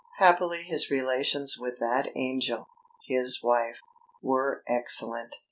Happily his relations with that angel, his wife, were excellent.